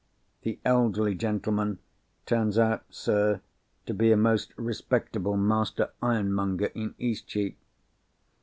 The elderly gentleman turns out, sir, to be a most respectable master iron monger in Eastcheap."